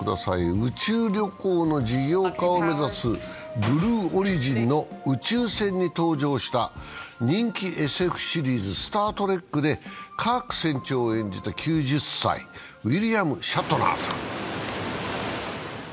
宇宙旅行の事業化を目指すブルーオリジンの宇宙船に搭乗した、人気ＳＦシリーズ「スター・トレック」でカーク船長を演じた９０歳、ウィリアム・シャトナーさん。